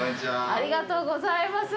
ありがとうございます。